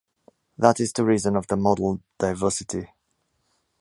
That is the reason of the model diversity.